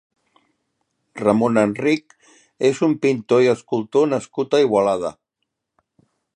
Ramon Enrich és un pintor i escultor nascut a Igualada.